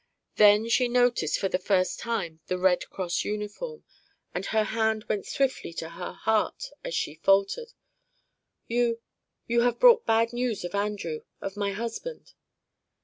Then she noticed for the first time the Red Cross uniform, and her hand went swiftly to her heart as she faltered: "You you have brought bad news of Andrew of my husband?"